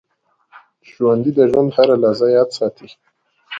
ژوندي د ژوند هره لحظه یاد ساتي